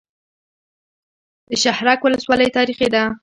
د شهرک ولسوالۍ تاریخي ده